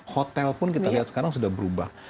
hotel pun kita lihat sekarang sudah berubah